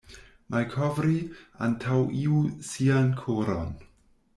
Malkovri antaŭ iu sian koron.